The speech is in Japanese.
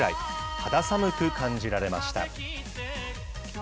肌寒く感じられました。